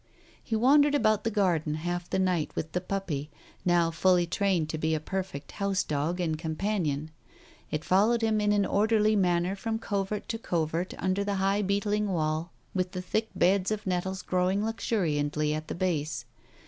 ... He wandered about the garden half the night with the puppy, now fully trained to be a perfect house dog and companion. It followed him in an orderly manner from covert to covert under the high beetling wall with the thick beds of nettles growing luxuriantly at the base.